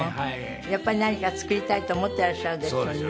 やっぱり何か作りたいと思っていらっしゃるでしょうにね。